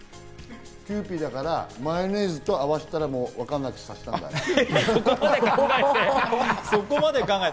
キユーピーだから、マヨネーズと合わせたら、もう分かんなくなる。